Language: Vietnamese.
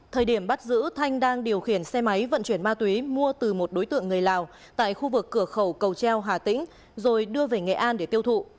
thời điểm bắt giữ thanh đang điều khiển xe máy vận chuyển ma túy mua từ một đối tượng người lào tại khu vực cửa khẩu cầu treo hà tĩnh rồi đưa về nghệ an để tiêu thụ